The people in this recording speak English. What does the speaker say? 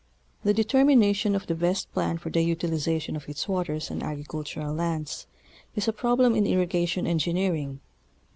The determination of the best plan for the utilization of its waters and agricultural lands is a problem in irrigation en gineering.